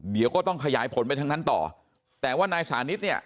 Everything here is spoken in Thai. เดี๋ยวก็ต้องขยายผลไปทางนั้นต่อแต่ว่านายสานิทเนี่ย